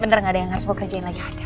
bener gak ada yang harus mau kerjain lagi